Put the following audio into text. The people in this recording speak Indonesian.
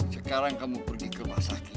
sekarang kamu pergi ke masakin